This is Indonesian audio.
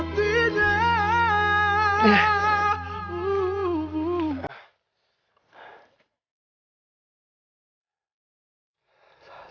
tu muda baldi